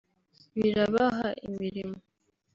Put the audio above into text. birabaha imirimo